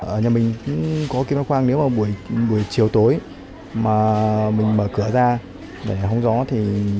ở nhà mình có kiến ba khoang nếu mà buổi chiều tối mà mình mở cửa ra để hông gió thì